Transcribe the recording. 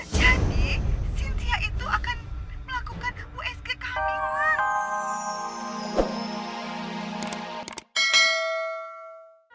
jadi cynthia itu akan melakukan usg kehamilan